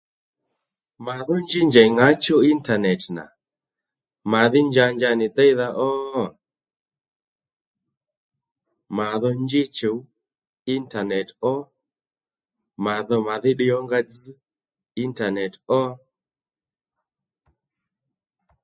Mà dhó njí njèy ŋǎchú intanet nà màdhí njanja nì déydha ó? Mà dho njí chùw intanet ó mà dho màdhí ddiy ónga dzz intanet ó